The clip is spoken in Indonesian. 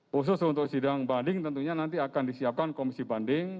khusus untuk sidang banding tentunya nanti akan disiapkan komisi banding